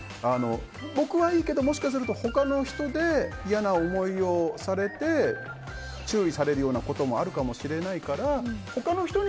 僕はいいけど、もしかすると他の人で嫌な思いをされて注意されるようなこともある